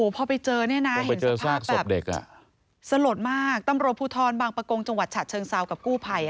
พอไปเจอเนี่ยนะไปเจอซากศพเด็กสลดมากตำรวจภูทรบางประกงจังหวัดฉะเชิงเซากับกู้ภัย